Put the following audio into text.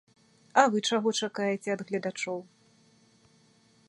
А вы чаго чакаеце ад гледачоў?